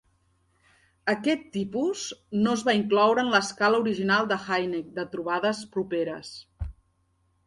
Aquest tipus no es va incloure en l'escala original de Hynek de trobades properes.